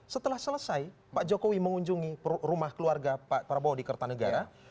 setelah selesai pak jokowi mengunjungi rumah keluarga pak prabowo di kertanegara